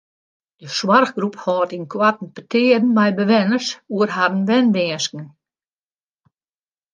De soarchgroep hâldt ynkoarten petearen mei bewenners oer harren wenwinsken.